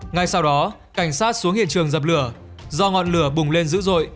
ngay sau đó cảnh sát xuống hiện trường dập lửa do ngọn lửa bùng lên dữ dội